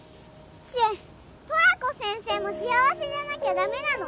知恵トラコ先生も幸せじゃなきゃダメなの。